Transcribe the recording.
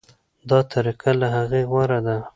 دا طریقه له هغې غوره ده.